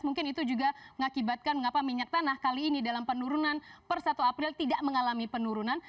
mungkin itu juga mengakibatkan mengapa minyak tanah kali ini dalam penurunan per satu april tidak mengalami penurunan